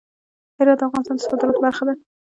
هرات د افغانستان د صادراتو برخه ده.